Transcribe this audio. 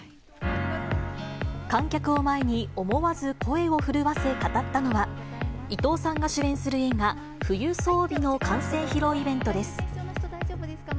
観客を前に思わず声を震わせ語ったのは、伊藤さんが主演する映画、冬薔薇の完成披露イベントです。